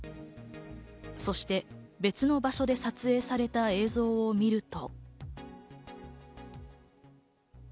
そして別の場所で撮影された映像を見ると。